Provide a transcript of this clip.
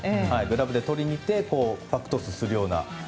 グラブでとりにいってバックトスするような。